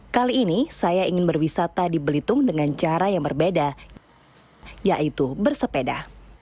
kali ini saya ingin berwisata di belitung dengan cara yang berbeda yaitu bersepeda